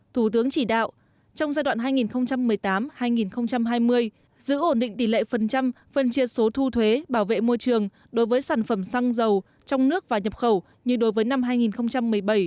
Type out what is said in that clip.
thủ tướng chỉ đạo trong giai đoạn hai nghìn một mươi tám hai nghìn hai mươi giữ ổn định tỷ lệ phần trăm phân chia số thu thuế bảo vệ môi trường đối với sản phẩm xăng dầu trong nước và nhập khẩu như đối với năm hai nghìn một mươi bảy